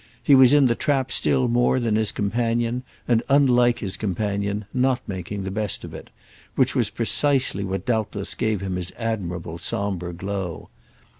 He was in the trap still more than his companion and, unlike his companion, not making the best of it; which was precisely what doubtless gave him his admirable sombre glow.